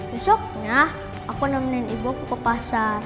besoknya aku nominin ibu aku ke pasar